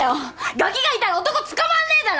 ガキがいたら男つかまんねえだろ！